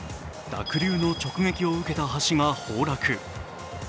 濁流の直撃を受けた橋が崩落。